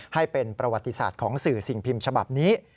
ให้เป็นประวัติศาสตร์ของสื่อสิ่งพิมพ์ฉบับนี้